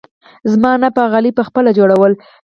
زما انا به غالۍ پخپله جوړوله.